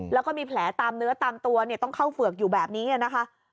แล้วก็มีแผลตามเนื้อตามตัวต้องเข้าเฝือกอยู่แบบนี้นะคะ